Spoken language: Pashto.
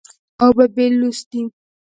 اوبه بېلوث دي.